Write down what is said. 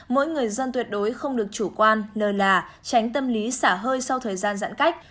mỗi người dân tuyệt đối không được chủ quan lơ là tránh tâm lý xả hơi sau thời gian giãn cách